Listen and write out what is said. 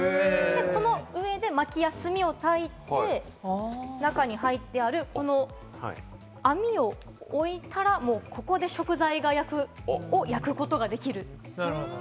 この上で薪や炭をたいて、中に入ってるこの網を置いたらもう、ここで食材を焼くことができる。